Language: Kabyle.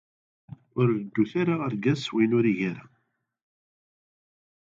Ur reddut ara argaz s wayen ur igi ara.